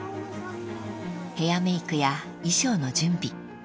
［ヘアメークや衣装の準備］